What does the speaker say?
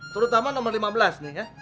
terutama nomor lima belas nih ya